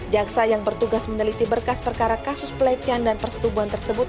jaksa yang bertugas meneliti berkas perkara kasus pelecehan dan persetubuhan tersebut